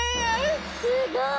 すごい！